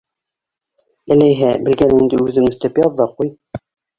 Әләйһә, белгәнеңде үҙең өҫтәп яҙ ҙа ҡуй.